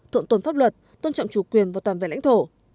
thuận tồn pháp luật tôn trọng chủ quyền và toàn vẹn lãnh thổ